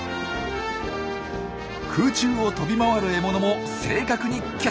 空中を飛び回る獲物も正確にキャッチ。